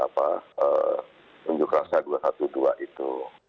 pengunjuk rasa dua ratus dua belas itu